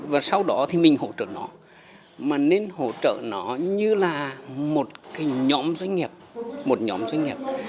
và sau đó thì mình hỗ trợ nó mà nên hỗ trợ nó như là một cái nhóm doanh nghiệp một nhóm doanh nghiệp